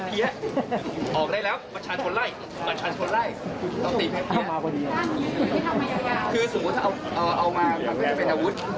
คือสมมุติเอามาก็จะเป็นอาวุธ